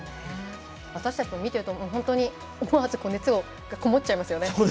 私たちも見ていると本当に思わず熱がこもっちゃいますよね。